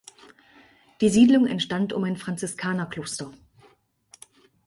Die Siedlung entstand um ein Franziskanerkloster.